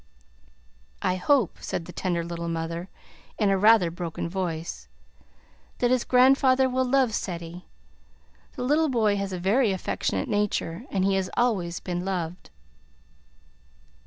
"I hope," said the tender little mother, in a rather broken voice, "that his grandfather will love Ceddie. The little boy has a very affectionate nature; and he has always been loved."